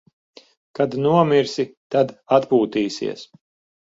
Kad nomirsi, tad atpūtīsies.